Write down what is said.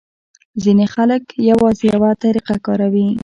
ځینې خلک یوازې یوه طریقه کاروي.